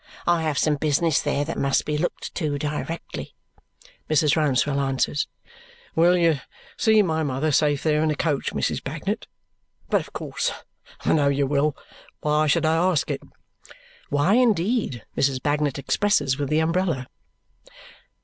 I have some business there that must be looked to directly," Mrs. Rouncewell answers. "Will you see my mother safe there in a coach, Mrs. Bagnet? But of course I know you will. Why should I ask it!" Why indeed, Mrs. Bagnet expresses with the umbrella.